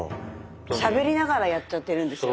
しゃべりながらやっちゃってるんですよ。